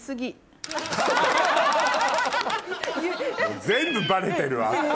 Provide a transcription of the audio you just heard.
もう全部バレてるわ。